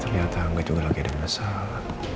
ternyata angga juga lagi ada yang ngesel